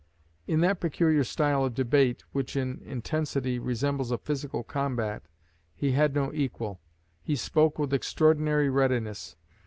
In that peculiar style of debate which in intensity resembles a physical combat, he had no equal. He spoke with extraordinary readiness.